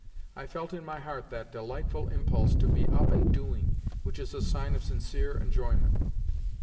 I felt in my heart that delightful impulse to be up and doing which is a sign of sincere enjoyment.